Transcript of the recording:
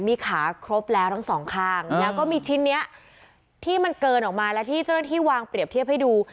มีขาครบแล้วทั้งสองข้างแล้วก็มีชิ้นนี้ที่มันเกินออกมาแล้วที่เจ้าหน้าที่วางเปรียบเทียบให้ดู